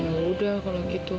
ya udah kalau gitu